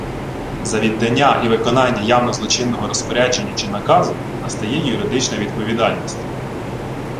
За віддання і виконання явно злочинного розпорядження чи наказу настає юридична відповідальність